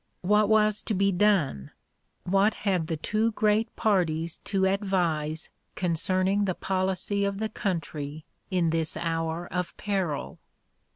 What was to be done? What had the two great parties to advise concerning the policy of the country in this hour of peril?